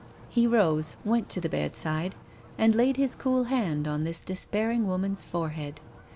He rose, went to the bedside, and laid his cool hand on this despairing woman's forehead.